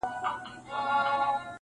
• د ونو ښکلا همدغه د ځنګدن -